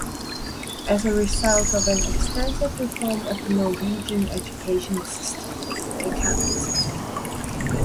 As a result of an extensive reform of the Norwegian educational system, the cand.